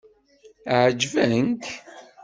Ɛeǧben-k?